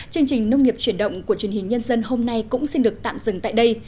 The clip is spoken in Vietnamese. chương trình nông nghiệp chuyển động của truyền hình nhân dân hôm nay cũng xin được tạm dừng tại đây